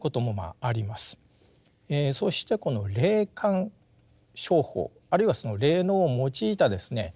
そしてこの霊感商法あるいはその霊能を用いたですね